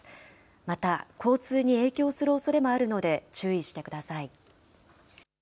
また、交通に影響するおそれもあるので注意してください。